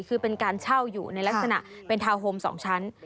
คือเป็นการเช่าอยู่ในลักษณะเป็นทาวน์โฮม๒ชั้น